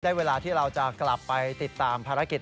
เวลาที่เราจะกลับไปติดตามภารกิจ